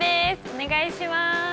お願いします。